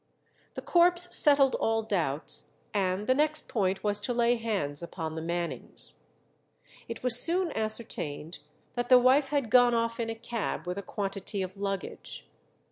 The corpse settled all doubts, and the next point was to lay hands upon the Mannings. It was soon ascertained that the wife had gone off in a cab with a quantity of luggage.